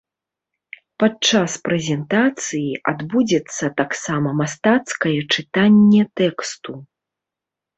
Падчас прэзентацыі адбудзецца таксама мастацкае чытанне тэксту.